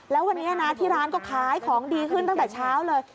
แล้ววันนี้นะที่ร้านก็ขายของดีขึ้นตั้งแต่เช้าเลย